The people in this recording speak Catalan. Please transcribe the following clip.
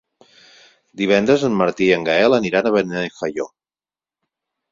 Divendres en Martí i en Gaël aniran a Benifaió.